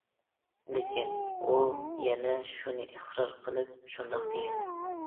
لېكىن ئۇ يەنە شۇنى ئىقرار قىلىپ شۇنداق دېگەن.